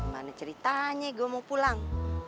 mana ceritanya gue mau pulang